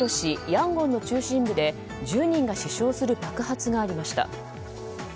ヤンゴンの中心部で１０人が死傷する爆発がありました。